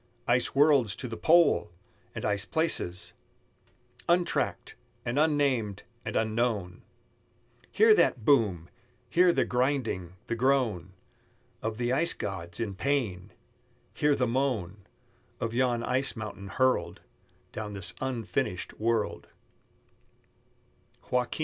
Ice worlds to the pole! and ice places Untracked, and unnamed, and unknown! Hear that boom! Hear the grinding, the groan Of the ice gods in pain! Hear the moan Of yon ice mountain hurled Down this unfinished world.